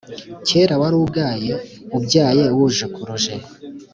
Kera wari ugaye Ubyaye wujukuruje